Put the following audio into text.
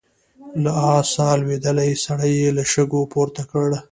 له آسه لوېدلی سړی يې له شګو پورته کړ.